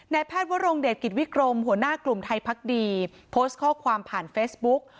แพทย์วรงเดชกิจวิกรมหัวหน้ากลุ่มไทยพักดีโพสต์ข้อความผ่านเฟซบุ๊ก